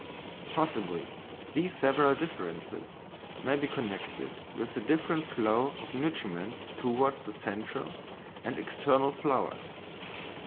Possibly these several differences may be connected with the different flow of nutriment towards the central and external flowers.